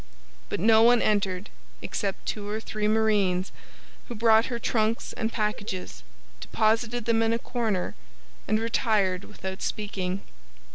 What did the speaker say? But no one entered except two or three marines, who brought her trunks and packages, deposited them in a corner, and retired without speaking.